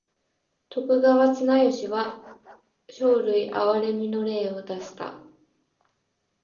徳川綱吉は生類憐みの令を出した。